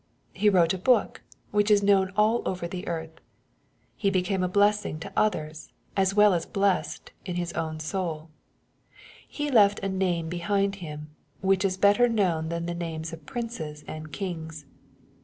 He wrote a book, which is known all over the earth. He became a blessing to others, as well as blessed in his own souL He left a name behind him, which is better known than the names of princes and kings.